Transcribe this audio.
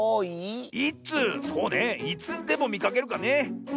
そうねいつでもみかけるかね。